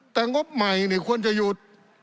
แต่งบใหม่ควรจะหยุด